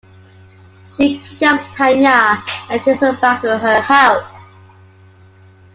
She kidnaps Tanya and takes her back to her house.